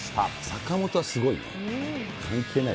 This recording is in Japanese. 坂本はすごいね。